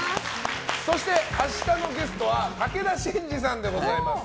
そして明日のゲストは武田真治さんでございます。